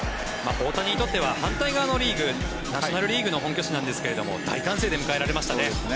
大谷にとっては反対側のリーグナショナル・リーグの本拠地なんですが大歓声で迎えられましたね。